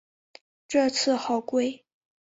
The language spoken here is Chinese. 这次好贵